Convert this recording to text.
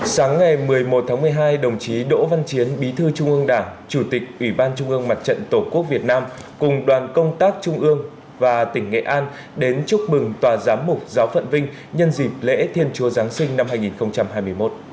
sáng ngày một mươi một tháng một mươi hai đồng chí đỗ văn chiến bí thư trung ương đảng chủ tịch ủy ban trung ương mặt trận tổ quốc việt nam cùng đoàn công tác trung ương và tỉnh nghệ an đến chúc mừng tòa giám mục giáo phận vinh nhân dịp lễ thiên chúa giáng sinh năm hai nghìn hai mươi một